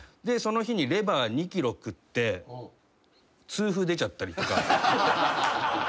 その日にレバー２ｋｇ食って痛風出ちゃったりとか。